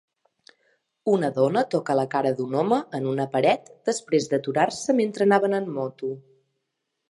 Una dona toca la cara d'un home en una paret després d'aturar-se mentre anaven en moto